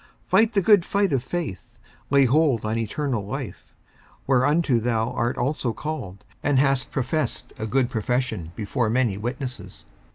54:006:012 Fight the good fight of faith, lay hold on eternal life, whereunto thou art also called, and hast professed a good profession before many witnesses.